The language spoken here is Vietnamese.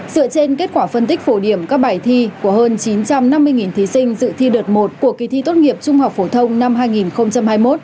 dựa trên kết quả phân tích phổ điểm các bài thi của hơn chín trăm năm mươi thí sinh dự thi đợt một của kỳ thi tốt nghiệp trung học phổ thông năm hai nghìn hai mươi một